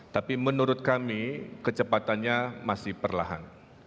tapi menurut kami kecepatannya masih perlahan